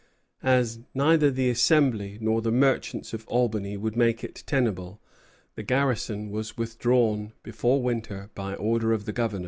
As neither the Assembly nor the merchants of Albany would make it tenable, the garrison was withdrawn before winter by order of the Governor.